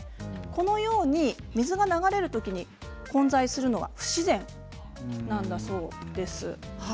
このように水が流れる時に混在するのは不自然なんだそうです。